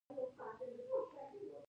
کاناډا یو سوړ هیواد دی.